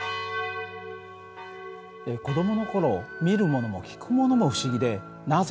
子どもの頃見るものも聞くものも不思議で「なぜ？」